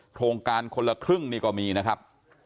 โครงการคนละครึ่งนี่ก็มีนะครับ